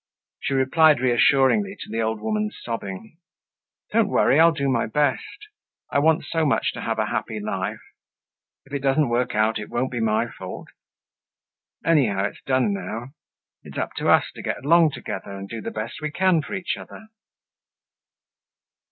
She replied reassuringly to the old woman's sobbing: "Don't worry, I'll do my best. I want so much to have a happy life. If it doesn't work out it won't be my fault. Anyhow, it's done now. It's up to us to get along together and do the best we can for each other."